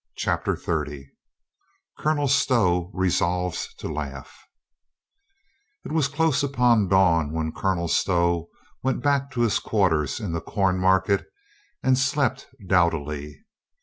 CHAPTER THIRTY COLONEL STOW RESOLVES TO LAUGH T T WAS close upon dawn when Colonel Stow went * back to his quarters in the Corn Market and slept doughtily.